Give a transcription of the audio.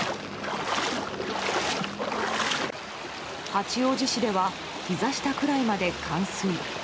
八王子市ではひざ下くらいまで冠水。